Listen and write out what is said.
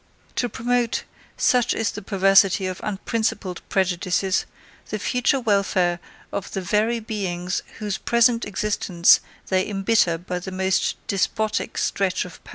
To promote, such is the perversity of unprincipled prejudices, the future welfare of the very beings whose present existence they imbitter by the most despotic stretch of power.